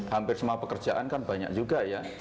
hampir semua pekerjaan kan banyak juga ya